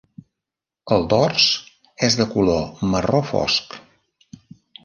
El dors és de color marró fosc.